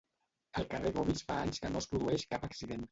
Al carrer Gomis fa anys que no es produeix cap accident.